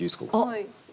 はい。